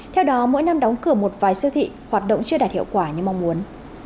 theo đó mỗi năm đóng cửa một vài siêu thị hoạt động chưa đạt hiệu quả như mong muốn